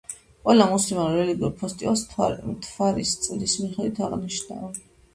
ყველა მუსლიმურ რელიგიურ ფესტივალს მთვარის წლის მიხედვით აღნიშნავენ.